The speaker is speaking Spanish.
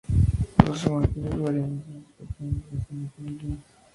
Los evangelios varían en sus descripciones de la relación de Juan con Elías.